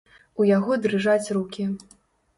У яго дрыжаць рукі.